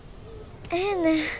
ええねん。